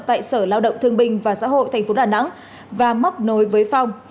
tại sở lao động thương bình và xã hội tp đà nẵng và móc nối với phong